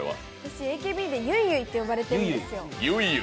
私、ＡＫＢでゆいゆいって呼ばれてるんですよ。